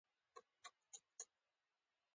واستوي.